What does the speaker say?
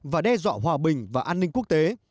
và đe dọa hòa bình và an ninh quốc tế